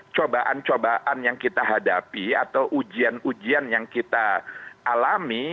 cobaan cobaan yang kita hadapi atau ujian ujian yang kita alami